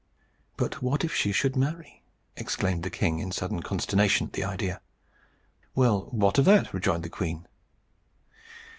"But what if she should marry?" exclaimed the king, in sudden consternation at the idea. "Well, what of that?" rejoined the queen.